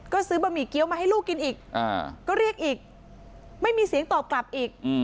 ก็ซื้อบะหมี่เกี้ยวมาให้ลูกกินอีกก็เรียกอีกไม่มีเสียงตอบกลับอีก